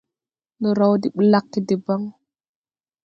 Ndɔ raw de ɓlagge debaŋ.